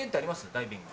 ダイビング。